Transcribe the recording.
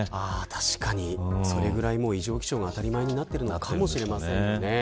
確かにそれぐらい異常気象が当たり前になっているのかもしれませんね。